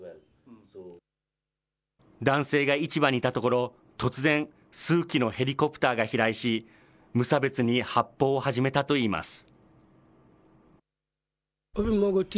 男性が市場にいたところ、突然、数機のヘリコプターが飛来し、無差別に発砲を始めたといいます。